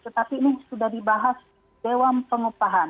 tetapi ini sudah dibahas dewan pengupahan